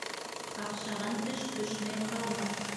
Ҡаҡшаған теш төшмәй ҡалмаҫ.